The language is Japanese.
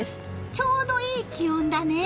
ちょうどいい気温だね！